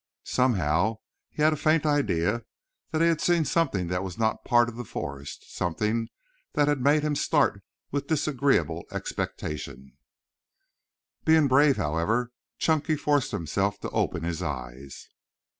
Somehow he had a faint idea that he had seen something that was not a part of the forest, something that had made him start with disagreeable expectation. [Illustration: Before Him Stood a Huge Animal] Being brave, however, Chunky forced himself to open his eyes.